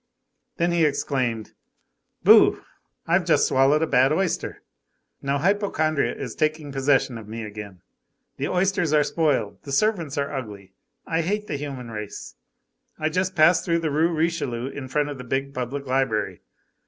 Then he exclaimed:— "Bouh! I've just swallowed a bad oyster. Now hypochondria is taking possession of me again. The oysters are spoiled, the servants are ugly. I hate the human race. I just passed through the Rue Richelieu, in front of the big public library.